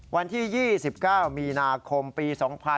วันที่๒๙มีนาคมปี๒๕๖๒